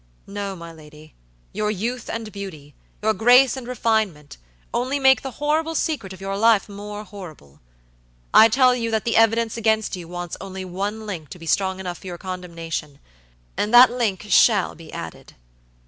No, my lady, your youth and beauty, your grace and refinement, only make the horrible secret of your life more horrible. I tell you that the evidence against you wants only one link to be strong enough for your condemnation, and that link shall be added.